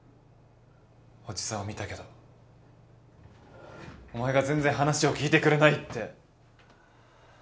おじさんを見たけどお前が全然話を聞いてくれないって。